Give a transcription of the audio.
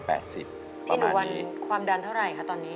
พี่หนูวันความดันเท่าไหร่คะตอนนี้